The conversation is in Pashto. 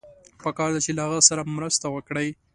پکار ده چې له هغه سره مرسته وکړئ.